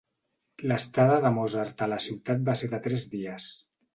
L'estada de Mozart a la ciutat va ser de tres dies.